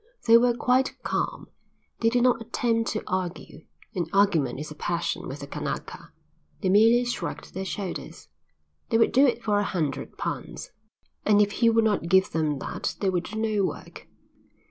They were quite calm, they did not attempt to argue and argument is a passion with the Kanaka they merely shrugged their shoulders: they would do it for a hundred pounds, and if he would not give them that they would do no work.